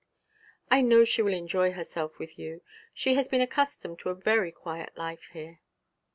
'I know she will enjoy herself with you. She has been accustomed to a very quiet life here.'